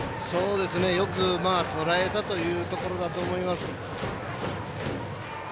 よくとらえたというところだと思います。